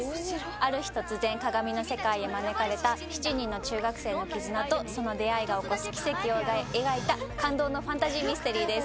ある日突然鏡の世界へ招かれた７人の中学生の絆とその出会いが起こす奇跡を描いた感動のファンタジーミステリーです。